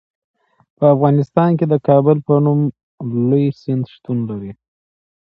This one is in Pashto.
په افغانستان کې د کابل په نوم لوی سیند شتون لري.